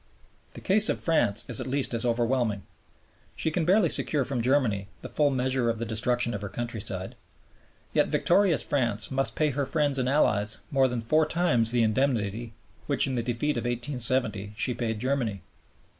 The case of France is at least as overwhelming. She can barely secure from Germany the full measure of the destruction of her countryside. Yet victorious France must pay her friends and Allies more than four times the indemnity which in the defeat of 1870 she paid Germany.